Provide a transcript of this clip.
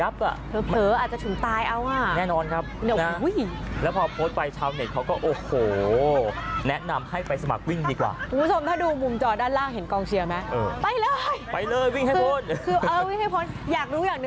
เผลออาจจะถึงตายเอาอ่ะ